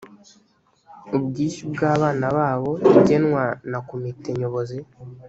ubwishyu bw’abana babo igenwa na komite nyobozi